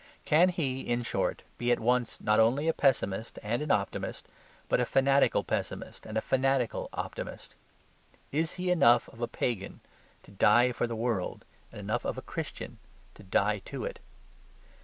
Can he, in short, be at once not only a pessimist and an optimist, but a fanatical pessimist and a fanatical optimist? Is he enough of a pagan to die for the world, and enough of a Christian to die to it?